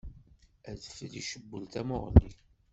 Adfel icewwel tamuɣli.